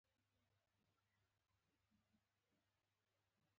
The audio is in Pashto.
سړي سترګې پټې وې.